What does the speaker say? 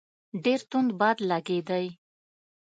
ډېر توند باد لګېدی.